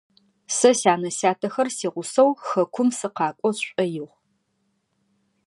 Сэ сянэ-сятэхэр сигъусэу хэкум сыкъакӏо сшӏоигъу.